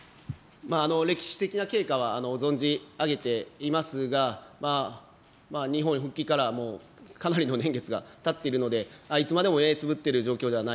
歴史的な経過は存じ上げていますが、日本へ復帰からかなりの年月が経っているので、いつまでも目つぶってる状況ではないなというふうに思っています。